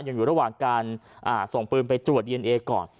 ยังอยู่ระหว่างการส่งปืนไปตรวจดีเอนเอก่อน